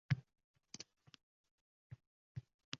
— Bu xususiy bogʻcha.